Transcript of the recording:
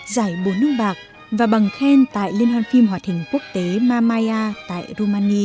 giải bốn đông bạc và bằng khen tại liên hoàn phim hoạt hình quốc tế mammaia tại romania